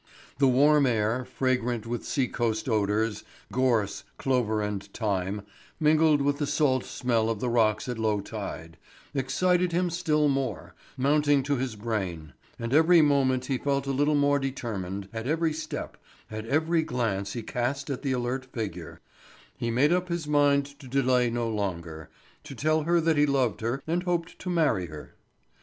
The warm air, fragrant with sea coast odours—gorse, clover, and thyme, mingling with the salt smell of the rocks at low tide—excited him still more, mounting to his brain; and every moment he felt a little more determined, at every step, at every glance he cast at the alert figure; he made up his mind to delay no longer, to tell her that he loved her and hoped to marry her.